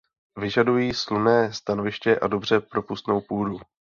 Vyžadují slunné stanoviště a dobře propustnou půdu.